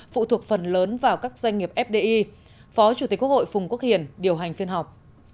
phụ thuộc phần lớn vào các doanh nghiệp fdi phó chủ tịch quốc hội phùng quốc hiền điều hành phiên họp